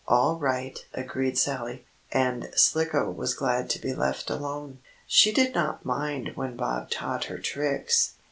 "All right," agreed Sallie. And Slicko was glad to be left alone. She did not mind when Bob taught her tricks.